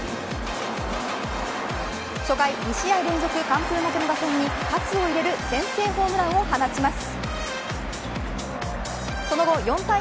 初回２試合連続完封負けの打線に喝を入れる先制ホームランを放ちます。